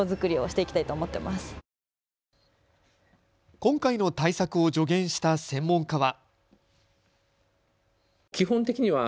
今回の対策を助言した専門家は。